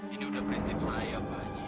ini udah prinsip saya pak haji